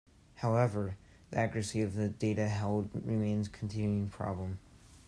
However, the accuracy of the data held remains a continuing problem.